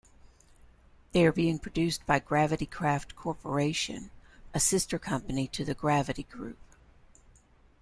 They are being produced by Gravitykraft Corporation, a sister company to The Gravity Group.